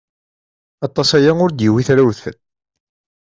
Aṭas aya ur d-yewwit udfel.